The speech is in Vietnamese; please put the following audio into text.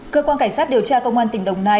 cơ quan cảnh sát điều tra công an tỉnh đồng nai